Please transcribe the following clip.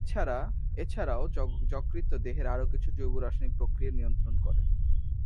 এছাড়াও যকৃৎ দেহের আরও কিছু জৈব-রাসায়নিক প্রক্রিয়া নিয়ন্ত্রণ করে।